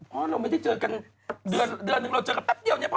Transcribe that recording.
เพราะเราไม่ได้เจอกันเดือนหนึ่งเราเจอกันแป๊บเดียวเนี่ย